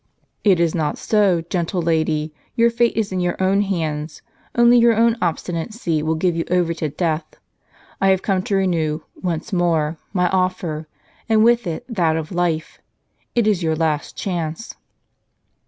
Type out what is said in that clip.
" It is not so, gentle lady ; your fate is in your own hands ; only your own obstinacy will give you over to death. I have come to renew, once more, my offer, and with it that of life. It is your last chance."